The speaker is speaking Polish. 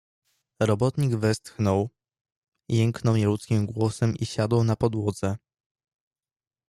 "Robotnik westchnął, jęknął nieludzkim głosem i siadł na podłodze."